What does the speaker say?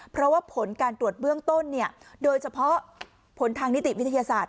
เพราะว่าผลการตรวจเบื้องต้นโดยเฉพาะผลทางนิติวิทยาศาสตร์